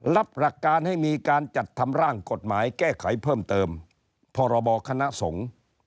รับหลักการให้มีการจัดทำร่างกฎหมายแก้ไขเพิ่มเติมพรบคณะสงฆ์